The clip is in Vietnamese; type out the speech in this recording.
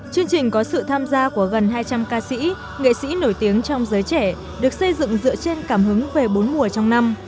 chương trình có sự tham gia của gần hai trăm linh ca sĩ nghệ sĩ nổi tiếng trong giới trẻ được xây dựng dựa trên cảm hứng về bốn mùa trong năm